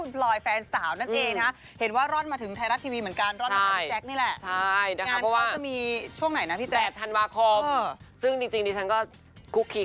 โปรดติดตามตอนต่อไป